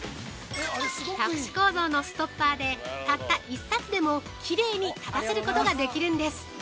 ◆特殊構造のストッパーでたった１冊でもきれいに立たせることができるんです。